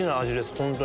本当に。